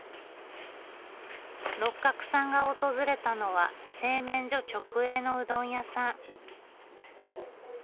六角さんが訪れたのは製麺所直営のうどん屋さん。